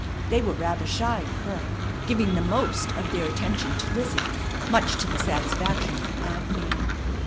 They were rather shy of her, giving the most of their attention to Lizzie, much to the satisfaction of Aunt Nan.